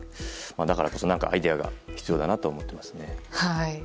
だから何かしらのアイデアが必要だなと思っています。